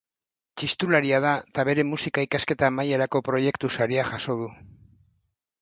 Txistularia da eta bere musika ikasketa amaierako proiektusaria jaso du.